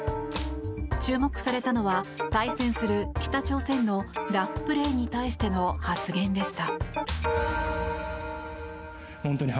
注目されたのは対戦する北朝鮮のラフプレーに対しての発言でした。